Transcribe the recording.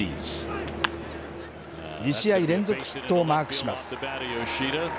２試合連続ヒットをマークします。